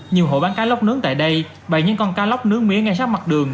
nhiều hộ bán cá lóc lớn tại đây bày những con cá lóc nướng mía ngay sát mặt đường